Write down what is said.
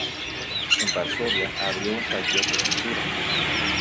En Varsovia abrió un taller de pintura.